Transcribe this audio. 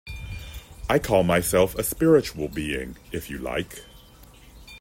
I call myself a spiritual being, if you like.